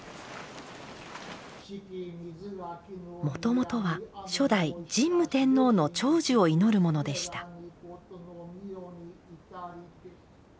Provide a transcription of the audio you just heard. もともとは初代神武天皇の長寿を祈るものでした。